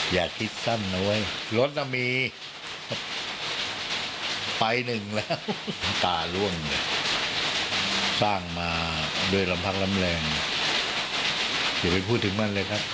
เดี๋ยวไปพูดถึงมันเลยครับ